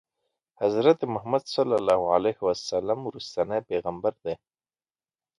حضرت محمد صلی الله علیه وسلم وروستنی پیغمبر دی.